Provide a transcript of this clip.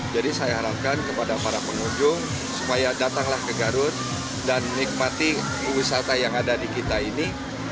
jadi saya harapkan kepada para pengunjung supaya datanglah ke garut dan nikmati wisata yang ada di kita ini